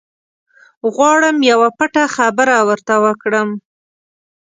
غواړم یوه پټه خبره ورته وکړم.